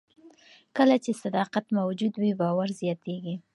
کله چې صداقت موجود وي، باور زیاتېږي.